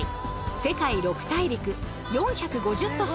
世界６大陸４５０都市